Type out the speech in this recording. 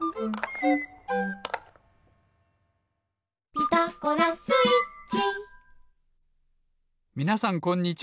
「ピタゴラスイッチ」みなさんこんにちは。